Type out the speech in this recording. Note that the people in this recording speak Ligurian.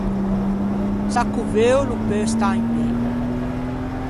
Sacco veuo no peu stâ in pê.